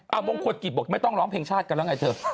ครับมงคลกิตไม่ต้องร้องเพลงชาติกันแล้วไง